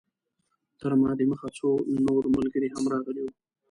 تر ما د مخه څو نور ملګري هم راغلي وو.